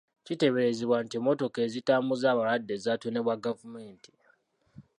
Kiteeberezebwa nti emmotoka ezitambuza abalwadde zatonebwa gavumenti.